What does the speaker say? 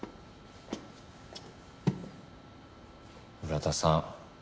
浦田さん